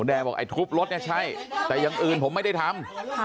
แดงบอกไอ้ทุบรถเนี่ยใช่แต่อย่างอื่นผมไม่ได้ทำ